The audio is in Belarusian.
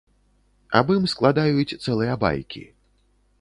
Аб ім складаюць цэлыя байкі.